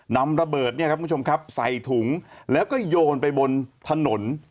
นำระเบิดเนี่ยครับคุณผู้ชมครับใส่ถุงแล้วก็โยนไปบนถนน